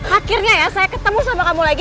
akhirnya ya saya ketemu sama kamu lagi